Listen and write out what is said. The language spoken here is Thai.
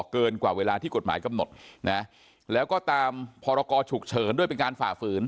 เกินกว่าเวลาที่กฎหมายกำหนดนะแล้วก็ตามพรกรฉุกเฉินด้วยเป็นการฝ่าฝืน